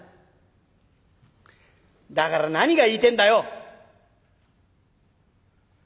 「だから何が言いてえんだよ」。